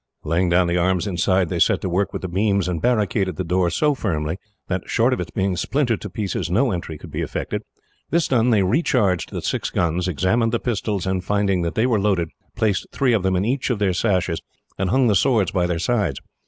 Laying down the arms inside, they set to work with the beams, and barricaded the door so firmly that, short of its being splintered to pieces, no entry could be effected. This done, they re charged the six guns, examined the pistols, and finding that they were loaded, placed three of them in each of their sashes, and hung the swords by their sides.